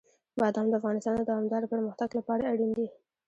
بادام د افغانستان د دوامداره پرمختګ لپاره اړین دي.